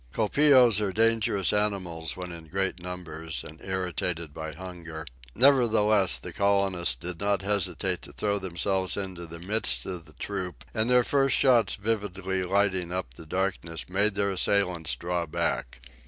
Colpeos are dangerous animals when in great numbers and irritated by hunger, nevertheless the colonists did not hesitate to throw themselves into the midst of the troop, and their first shots vividly lighting up the darkness made their assailants draw back.